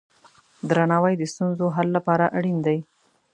درناوی د ستونزو حل لپاره اړین دی.